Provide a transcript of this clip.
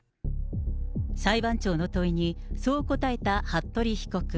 裁判長の問いに、そう答えた服部被告。